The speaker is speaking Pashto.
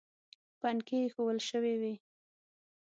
پنکې ایښوول شوې وې.